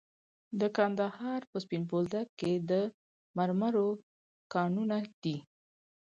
د کندهار په سپین بولدک کې د مرمرو کانونه دي.